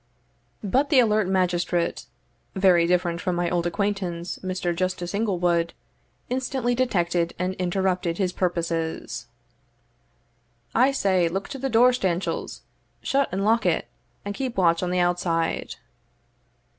But the alert magistrate (very different from my old acquaintance, Mr. Justice Inglewood) instantly detected and interrupted his purposes. "I say, look to the door, Stanchells shut and lock it, and keep watch on the outside."